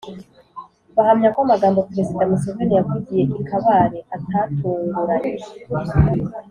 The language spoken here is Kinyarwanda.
bahamya ko amagambo perezida museveni yavugiye i kabale atatunguranye.